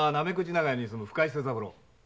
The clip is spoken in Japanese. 長屋に住む深井清三郎。